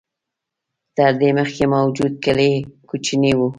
تر دې مخکې موجود کلي کوچني و.